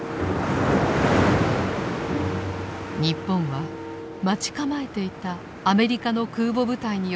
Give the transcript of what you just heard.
日本は待ち構えていたアメリカの空母部隊による攻撃を受けたのです。